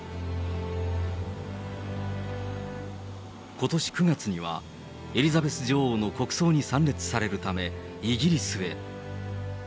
ことし９月には、エリザベス女王の国葬に参列されるためイギリスへ。